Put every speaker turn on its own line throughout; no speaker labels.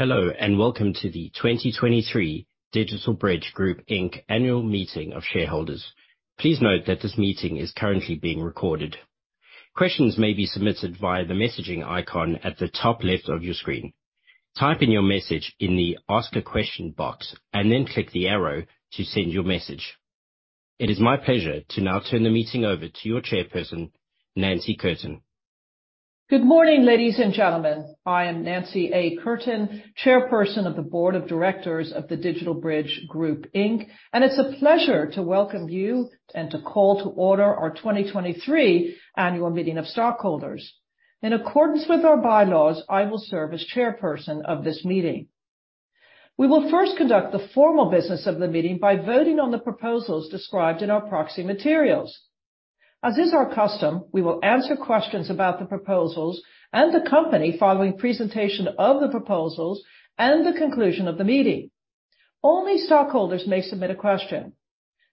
Hello, welcome to the 2023 DigitalBridge Group, Inc. annual meeting of shareholders. Please note that this meeting is currently being recorded. Questions may be submitted via the messaging icon at the top left of your screen. Type in your message in the Ask a question box, and then click the arrow to send your message. It is my pleasure to now turn the meeting over to your chairperson, Nancy Curtin.
Good morning, ladies and gentlemen. I am Nancy A. Curtin, chairperson of the Board of Directors of the DigitalBridge Group, Inc. It's a pleasure to welcome you and to call to order our 2023 annual meeting of stockholders. In accordance with our bylaws, I will serve as chairperson of this meeting. We will first conduct the formal business of the meeting by voting on the proposals described in our proxy materials. As is our custom, we will answer questions about the proposals and the company following presentation of the proposals and the conclusion of the meeting. Only stockholders may submit a question.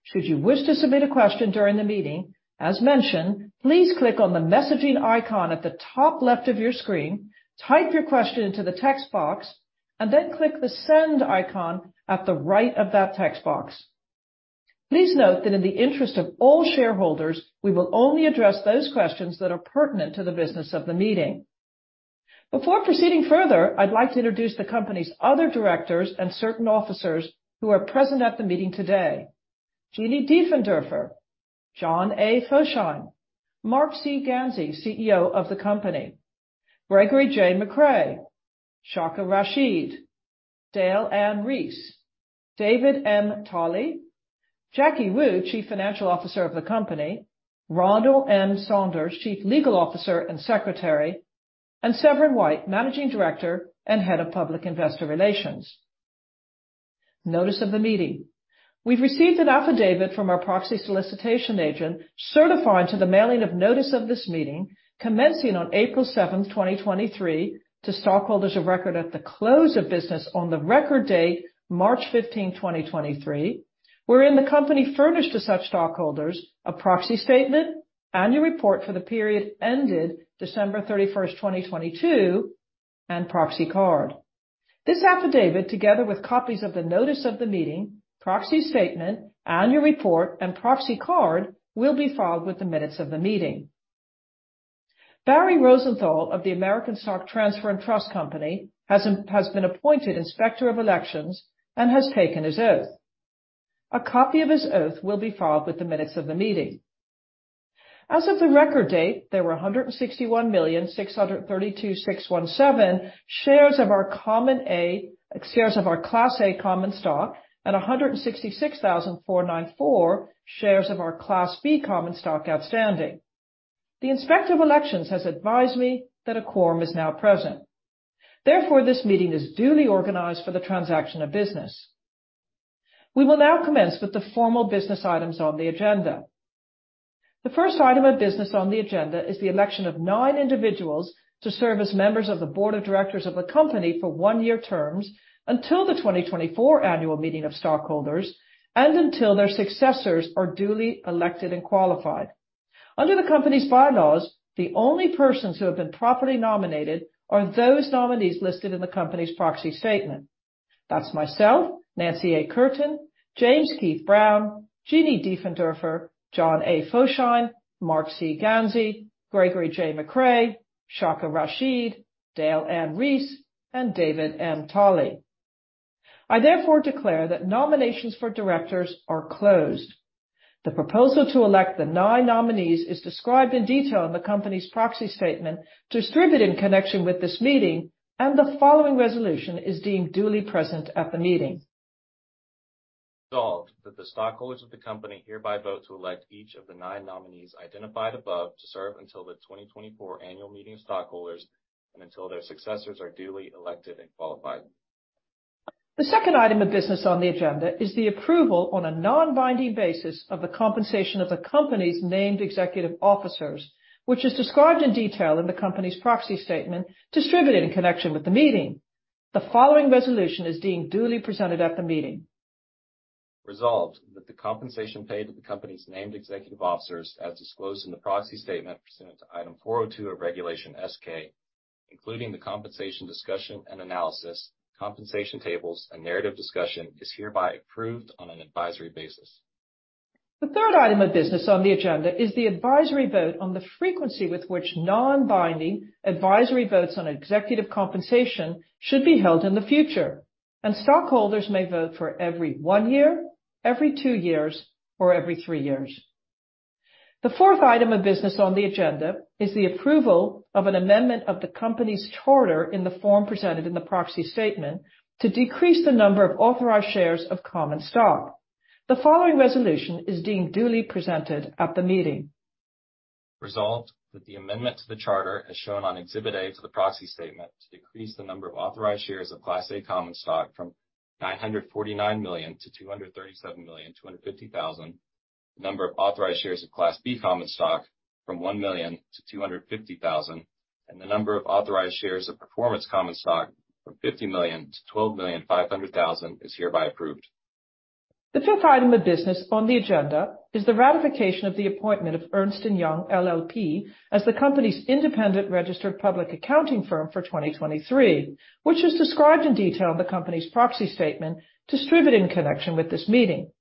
Should you wish to submit a question during the meeting, as mentioned, please click on the messaging icon at the top left of your screen, type your question into the text box, and then click the send icon at the right of that text box. Please note that in the interest of all shareholders, we will only address those questions that are pertinent to the business of the meeting. Before proceeding further, I'd like to introduce the company's other directors and certain officers who are present at the meeting today. Jeanne Diefenderfer, Jon A. Fosheim, Marc C. Ganzi, CEO of the company. Gregory J. McCray, Sháka Rasheed, Dale Anne Reiss, David M. Tolley, Jacky Wu, Chief Financial Officer of the company, Ronald M. Sanders, Chief Legal Officer and Secretary, and Severin White, Managing Director and Head of Public Investor Relations. Notice of the meeting. We've received an affidavit from our proxy solicitation agent certifying to the mailing of notice of this meeting commencing on April 7, 2023, to stockholders of record at the close of business on the record date March 15, 2023. We're in the company furnished to such stockholders a proxy statement, annual report for the period ended December 31, 2022, and proxy card. This affidavit, together with copies of the notice of the meeting, proxy statement, annual report, and proxy card, will be filed with the minutes of the meeting. Barry Rosenthal of the American Stock Transfer & Trust Company has been appointed Inspector of Elections and has taken his oath. A copy of his oath will be filed with the minutes of the meeting. As of the record date, there were 161,632,617 shares of our Class A common stock and 166,494 shares of our Class B common stock outstanding. The Inspector of Elections has advised me that a quorum is now present. Therefore, this meeting is duly organized for the transaction of business. We will now commence with the formal business items on the agenda. The first item of business on the agenda is the election of nine individuals to serve as members of the board of directors of the company for one year terms until the 2024 annual meeting of stockholders and until their successors are duly elected and qualified. Under the company's bylaws, the only persons who have been properly nominated are those nominees listed in the company's proxy statement. That's myself, Nancy A. Curtin, James Keith Brown, Jeanne H. Diefenderfer, Jon A. Fosheim, Marc C. Ganzi, Gregory J. McCray, Sháka Rasheed, Dale Anne Reiss, and David M. Tolley. I therefore declare that nominations for directors are closed. The proposal to elect the nine nominees is described in detail in the company's proxy statement distributed in connection with this meeting, and the following resolution is deemed duly present at the meeting.
Resolved that the stockholders of the company hereby vote to elect each of the nine nominees identified above to serve until the 2024 annual meeting of stockholders and until their successors are duly elected and qualified.
The second item of business on the agenda is the approval on a non-binding basis of the compensation of the company's named executive officers, which is described in detail in the company's proxy statement distributed in connection with the meeting. The following resolution is deemed duly presented at the meeting.
Resolved that the compensation paid to the company's named executive officers, as disclosed in the proxy statement pursuant to Item 402 of Regulation S-K, including the compensation discussion and analysis, compensation tables, and narrative discussion, is hereby approved on an advisory basis.
The third item of business on the agenda is the advisory vote on the frequency with which non-binding advisory votes on executive compensation should be held in the future. Stockholders may vote for every one year, every two years, or every three years. The fourth item of business on the agenda is the approval of an amendment of the company's charter in the form presented in the proxy statement to decrease the number of authorized shares of common stock. The following resolution is deemed duly presented at the meeting.
Resolved that the amendment to the charter, as shown on Exhibit A to the proxy statement to decrease the number of authoried shares of Class A common stock from $949 million to $237,250,000 million. The number of authorized shares of Class B common stock from $1 million to $250,000 million. The number of authorized shares of Performance common stock from $50 million to $12,500,000 million is hereby approved.
The fifth item of business on the agenda is the ratification of the appointment of Ernst & Young LLP as the company's independent registered public accounting firm for 2023, which is described in detail in the company's proxy statement distributed in connection with this meeting.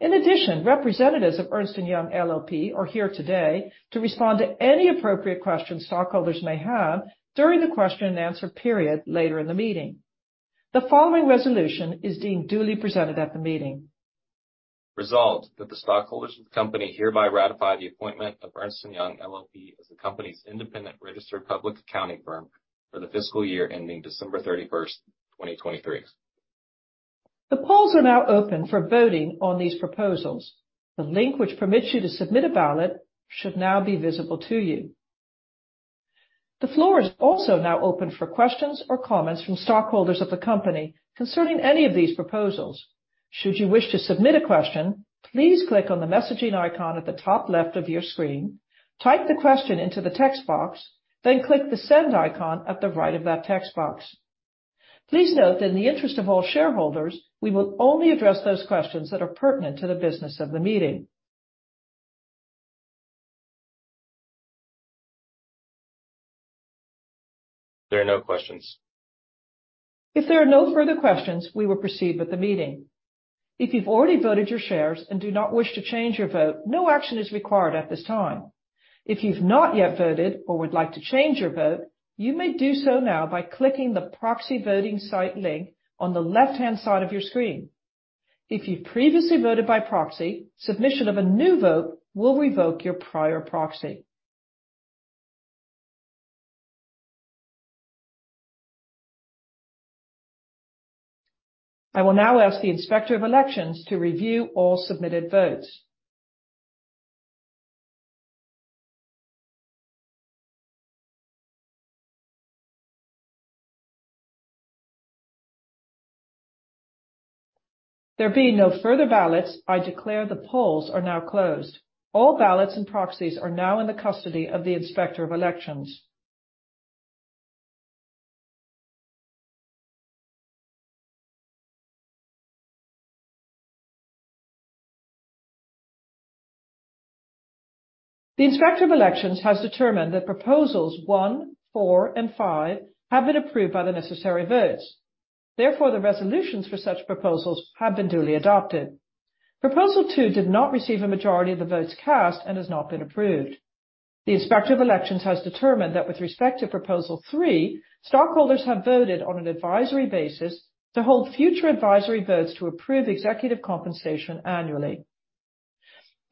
In addition, representatives of Ernst & Young LLP are here today to respond to any appropriate questions stockholders may have during the question and answer period later in the meeting. The following resolution is deemed duly presented at the meeting.
Resolved that the stockholders of the company hereby ratify the appointment of Ernst & Young LLP as the company's independent registered public accounting firm for the fiscal year ending December 31st, 2023.
The polls are now open for voting on these proposals. The link which permits you to submit a ballot should now be visible to you. The floor is also now open for questions or comments from stockholders of the company concerning any of these proposals. Should you wish to submit a question, please click on the messaging icon at the top left of your screen, type the question into the text box, then click the send icon at the right of that text box. Please note that in the interest of all shareholders, we will only address those questions that are pertinent to the business of the meeting.
There are no questions.
If there are no further questions, we will proceed with the meeting. If you've already voted your shares and do not wish to change your vote, no action is required at this time. If you've not yet voted or would like to change your vote, you may do so now by clicking the proxy voting site link on the left-hand side of your screen. If you previously voted by proxy, submission of a new vote will revoke your prior proxy. I will now ask the Inspector of Elections to review all submitted votes. There being no further ballots, I declare the polls are now closed. All ballots and proxies are now in the custody of the Inspector of Elections. The Inspector of Elections has determined that proposals one, four, and five have been approved by the necessary votes. Therefore, the resolutions for such proposals have been duly adopted. Proposal two did not receive a majority of the votes cast and has not been approved. The Inspector of Elections has determined that with respect to Proposal three, stockholders have voted on an advisory basis to hold future advisory votes to approve executive compensation annually.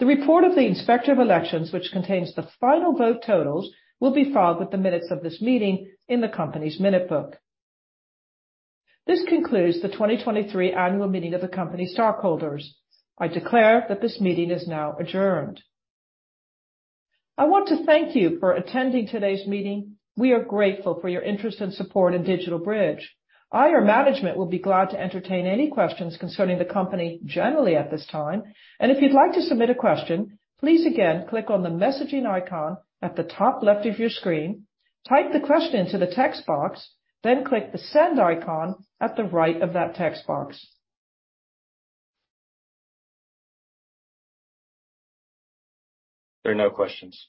The report of the Inspector of Elections, which contains the final vote totals, will be filed with the minutes of this meeting in the company's minute book. This concludes the 2023 annual meeting of the company stockholders. I declare that this meeting is now adjourned. I want to thank you for attending today's meeting. We are grateful for your interest and support in DigitalBridge. I, your management, will be glad to entertain any questions concerning the company generally at this time. If you'd like to submit a question, please again, click on the messaging icon at the top left of your screen, type the question into the text box, then click the send icon at the right of that text box.
There are no questions.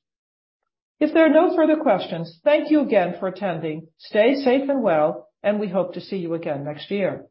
If there are no further questions, thank you again for attending. Stay safe and well, and we hope to see you again next year.